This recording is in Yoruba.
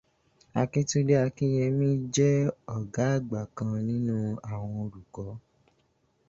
Akíntúndé Akínyẹmi jẹ́ ọ̀gá àgbà kan nínú àwọn olùkọ́.